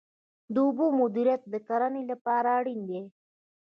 د اوبو مدیریت د کرنې لپاره اړین دی